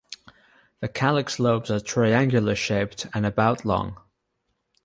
The calyx lobes are triangular shaped and about long.